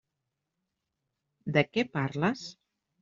De què parles?